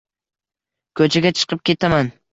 Ko‘chaga chiqib ketaman